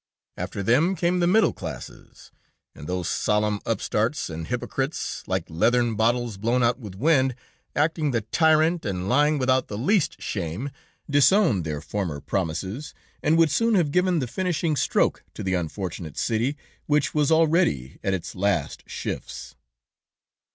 After them, came the middle classes, and those solemn upstarts and hypocrites, like leathern bottles blown out with wind, acting the tyrant and lying without the least shame, disowned their former promises, and would soon have given the finishing stroke to the unfortunate city, which was already at its last shifts.